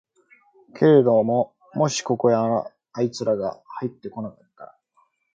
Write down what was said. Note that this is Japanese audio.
けれどももしここへあいつらがはいって来なかったら、